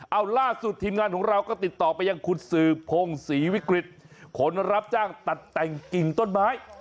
เอาล่าสุดทีมงานของเราก็ติดต่อไปยังคุณสืบพงศรีวิกฤตคนรับจ้างตัดแต่งกิ่งต้นไม้